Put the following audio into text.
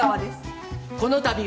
このたびは。